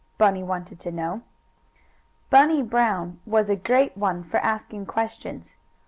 Bunny wanted to know. Bunny Brown was a great one for asking questions.